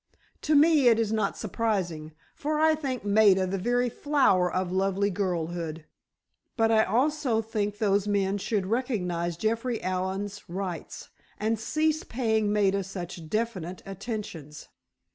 To me it is not surprising, for I think Maida the very flower of lovely girlhood, but I also think those men should recognize Jeffrey Allen's rights and cease paying Maida such definite attentions."